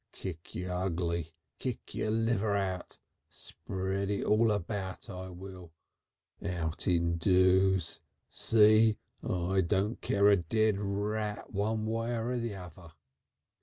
Kick yer ugly.... Cut yer liver out... spread it all about, I will.... Outing doos. See? I don't care a dead rat one way or the uvver."